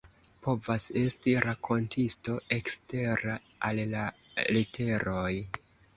Povas esti rakontisto ekstera al la leteroj.